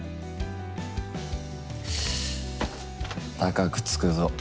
高くつくぞ。